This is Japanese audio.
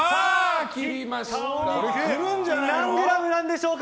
お肉何グラムなんでしょうか。